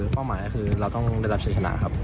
เป้าหมายก็คือเราต้องได้รับชัยชนะครับ